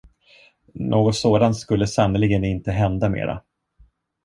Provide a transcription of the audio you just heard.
Något sådant skulle sannerligen inte hända mera.